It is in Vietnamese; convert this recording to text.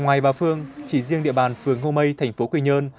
ngoài bà phương chỉ riêng địa bàn phương ngô mây thành phố quỳ nhơn